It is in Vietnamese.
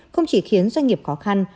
không chỉ khiến doanh nghiệp khó khăn